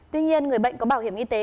tuy nhiên người bệnh có bảo hiểm y tế